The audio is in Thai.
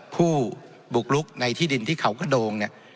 ผู้บุกลุกในที่ดินที่เขากระโดงเนี่ย